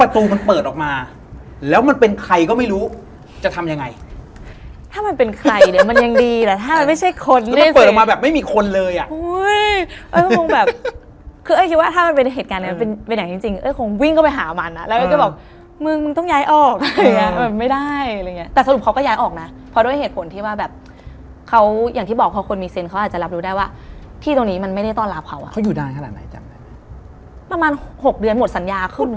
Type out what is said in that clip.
แต่ก็ยังเปรียวนะทุกวันนี้สมัยคนน่าจะหนักเลย